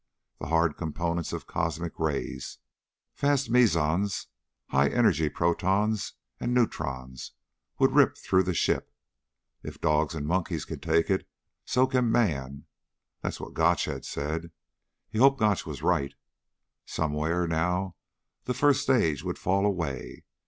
The hard components of cosmic rays fast mesons, high energy protons and neutrons would rip through the ship. If dogs and monkeys can take it, so can man. That's what Gotch had said. He hoped Gotch was right. Somewhere, now, the first stage would fall away.